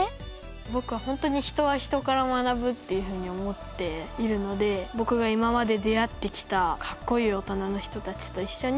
僕はホントに人は人から学ぶっていうふうに思っているので僕が今まで出会ってきたかっこいい大人の人たちと一緒に。